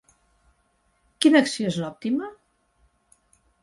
Quina acció és l'òptima?